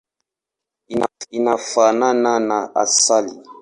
Inafanana na asali.